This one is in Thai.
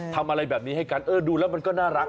ทำอะไรแบบนี้ให้กันเออดูแล้วมันก็น่ารัก